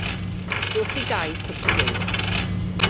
Dos i gau cwt yr ieir.